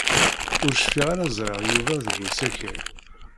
Ur cfiɣ ara ẓriɣ Yuba deg usakal.